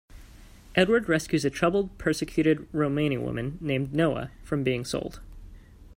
Edward rescues a troubled, persecuted Romani woman named Noah from being sold.